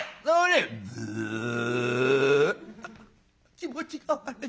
「気持ちが悪い」。